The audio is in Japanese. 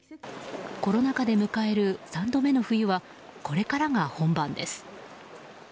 コロナ禍で迎える３度目の冬はこれからが本番です。